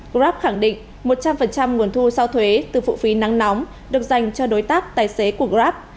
grab khẳng định một trăm linh nguồn thu sau thuế từ phụ phí nắng nóng được dành cho đối tác tài xế của grab